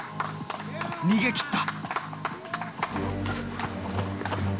逃げきった。